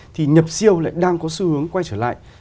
thì nhập siêu lại đang có xu hướng quay trở lại